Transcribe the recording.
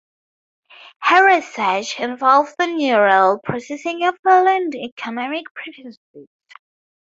Her research involves the neural processing of value and economic preferences.